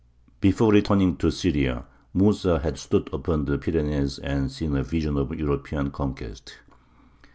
Before returning to Syria, Mūsa had stood upon the Pyrenees and seen a vision of European conquest.